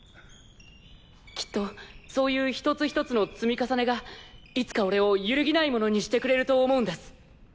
きっとそういう１つ１つの積み重ねがいつか俺をゆるぎないものにしてくれると思うんです。